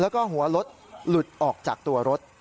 แล้วก็หัวรถหลุดออกจากตัวรถ